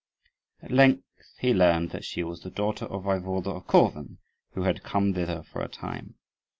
At length he learned that she was the daughter of the Waiwode of Koven, who had come thither for a time.